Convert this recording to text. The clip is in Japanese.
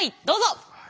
どうぞ。